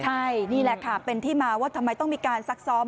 ใช่นี่แหละค่ะเป็นที่มาว่าทำไมต้องมีการซักซ้อม